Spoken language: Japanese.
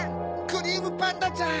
クリームパンダちゃん